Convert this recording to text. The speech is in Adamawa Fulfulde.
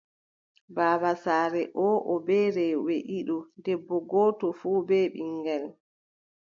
Baaba saare oo, o bee rewɓe ɗiɗo, debbo gooto fuu bee ɓiŋngel.